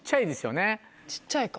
小っちゃいか。